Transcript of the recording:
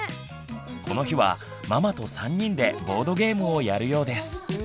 この日はママと３人でボードゲームをやるようです。